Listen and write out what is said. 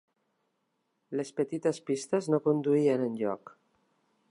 Les petites pistes no conduïen enlloc.